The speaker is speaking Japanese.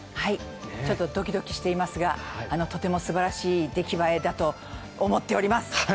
ちょっとドキドキしていますがとても素晴らしい出来栄えだと思っております。